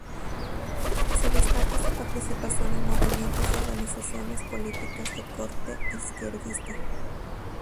Se destaca su participación en movimientos y organizaciones políticas de corte izquierdista.